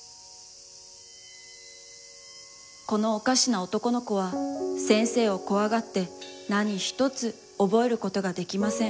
このおかしな男の子は、先生をこわがって、なにひとつおぼえることができません。